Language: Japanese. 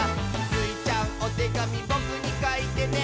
「スイちゃん、おてがみぼくにかいてね」